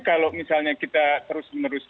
kalau misalnya kita terus menerus